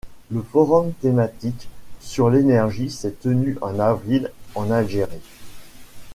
Le forum thématique sur l'énergie s'est tenu en avril en Algérie.